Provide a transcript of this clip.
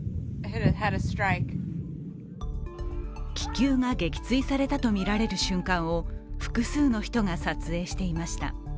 気球が撃墜されたとみられる瞬間を複数の人が撮影していました。